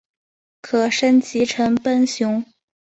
可升级成奔熊。